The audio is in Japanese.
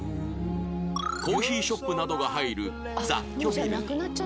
コーヒーショップなどが入る雑居ビルに